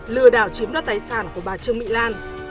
lừa đảo chiếm đoạt tài sản của bà trương mỹ lan